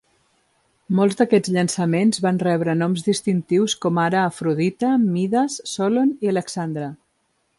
Molts d'aquests llançaments van rebre noms distintius com ara Afrodita, Midas, Solon i Alexandre.